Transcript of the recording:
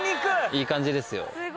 いい感じですよ。